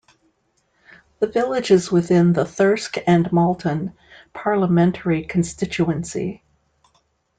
The village is within the Thirsk and Malton parliamentary constituency.